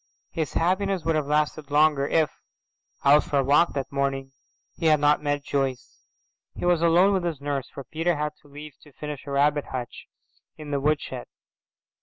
His happiness would have lasted longer if, out for a walk that morning, he had not met Joyce. He was alone with his nurse, for Peter had leave to finish a rabbit hutch in the woodshed.